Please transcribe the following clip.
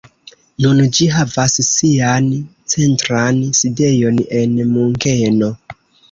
Nun ĝi havas sian centran sidejon en Munkeno.